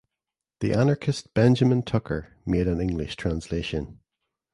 The anarchist Benjamin Tucker made an English translation.